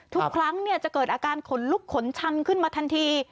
ทุกครั้งจะเกิดอาการขนลุกขนชันขึ้นมาทันที